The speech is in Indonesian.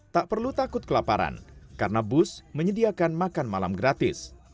tak perlu takut kelaparan karena bus menyediakan makan malam gratis